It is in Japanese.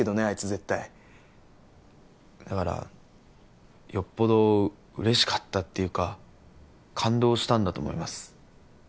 あいつ絶対だからよっぽど嬉しかったっていうか感動したんだと思います